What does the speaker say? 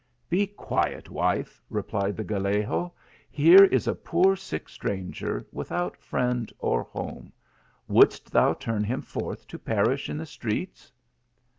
" "Be quiet, wife," replied the Gallego, "here is a poor sick stranger, without friend or home : wouldst thou turn him forth to perish in the streets